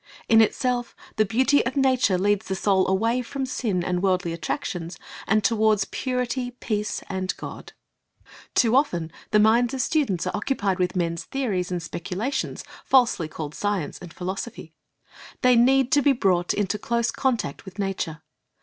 In itself the beauty of nature leads the soul away from sin and worldly attractions, and toward purity, peace, and God. iDeut. 6: 7 9 Teaching' in Parables 25 Too often the minds of students are occupied with men's theories and speculations, falsely called science and philos ophy. They need to be brought into close contact with nature.